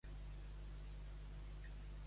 Ajudeu-me tres, que quatre no poden.